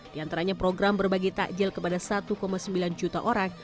diantaranya program berbagi takjil kepada satu sembilan juta orang